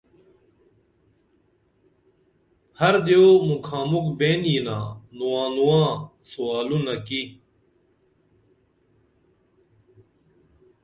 ہر دیو مُکھا مُکھ بین یینا نواں نوا ں سوالونہ کی